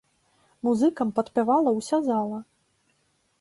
Музыкам падпявала ўся зала.